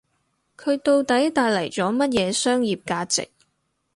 佢到底帶嚟咗乜嘢商業價值